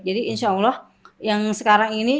jadi insya allah yang sekarang ini